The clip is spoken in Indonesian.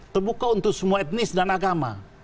terbuka untuk semua etnis dan agama